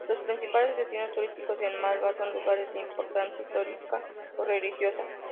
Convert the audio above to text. Los principales destinos turísticos en Malwa son lugares de importancia histórica o religiosa.